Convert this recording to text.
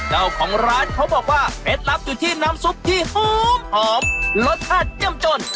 เจ้าของร้านเขาบอกว่าเคล็ดลับอยู่ที่น้ำซุปที่หอมรสชาติย่ำจน